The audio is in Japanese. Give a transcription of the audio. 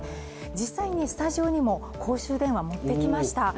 実際にスタジオにも公衆電話、持ってきました。